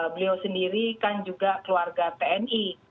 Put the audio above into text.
beliau sendiri kan juga keluarga tni